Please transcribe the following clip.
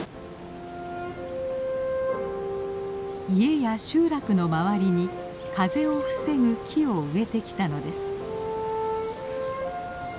家や集落の周りに風を防ぐ木を植えてきたのです。